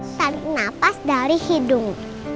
tarik nafas dari hidung